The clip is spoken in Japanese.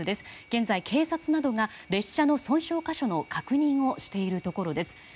現在、警察などが列車の損傷個所の確認をしているところです。